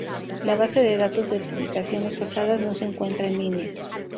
La base de datos de publicaciones pasadas no se encuentra en línea.